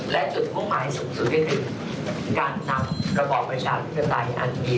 และจุดมุ่งหมายสูงสุดก็คือการนำระบอบประชาธิปไตยอันดี